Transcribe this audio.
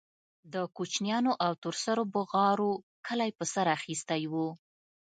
د کوچنيانو او تور سرو بوغارو کلى په سر اخيستى و.